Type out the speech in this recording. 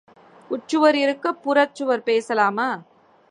உட்சுவர் இருக்க, புறச்சுவர் பூசலாமா ?